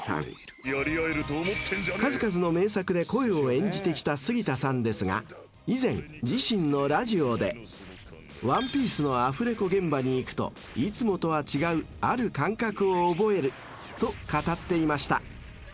［数々の名作で声を演じてきた杉田さんですが以前自身のラジオで『ワンピース』のアフレコ現場に行くといつもとは違うある感覚を覚えると語っていました］